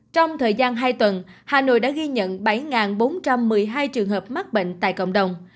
trong thời gian hai tuần hà nội đã ghi nhận bảy bốn trăm một mươi hai trường hợp mắc bệnh tại cộng đồng